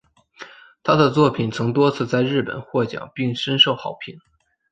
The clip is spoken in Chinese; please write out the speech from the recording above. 她的作品曾多次在日本获奖并深受好评。